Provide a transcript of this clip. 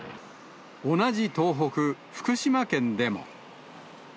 同じ東北、福島県でも。